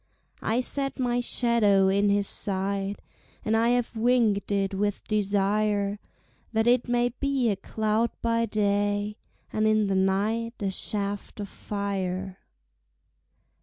I set my shadow in his sight And I have winged it with desire, That it may be a cloud by day, And in the night a shaft of fire.